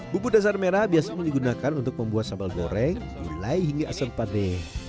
bumbu dasar merah biasanya digunakan untuk membuat sambal goreng gulai hingga asam padeh